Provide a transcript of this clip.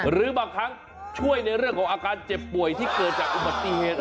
หรือบางครั้งช่วยในเรื่องของอาการเจ็บป่วยที่เกิดจากอุบัติเหตุ